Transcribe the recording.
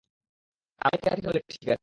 America থেকে হলে ঠিক আছে।